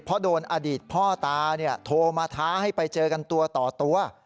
เพราะโดนอดีตพ่อตาโทรมาท้าให้ไปเจอกันตัวต่อตัว